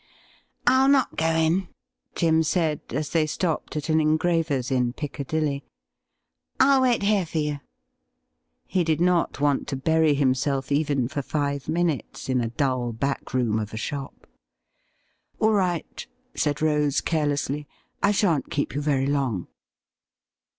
' I'll not go in,' Jim said, as they stopped at an engraver's in Piccadilly ;' I'll wait here for you.' He did not want to bury himself even for five minutes in a dull back room of a shop. 'AH right,' said Rose carelessly; 'I shan't keep you very long.'